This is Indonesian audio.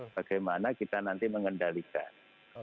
bagaimana kita nanti mengendalikan